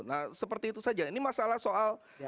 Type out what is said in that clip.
nah seperti itu saja ini masalah soal